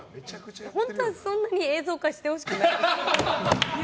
本当にそんなに映像化してほしくないです。